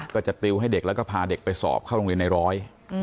ติวให้เด็กแล้วก็พาเด็กไปสอบเข้าโรงเรียนในร้อย